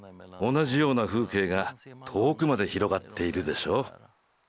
同じような風景が遠くまで広がっているでしょう？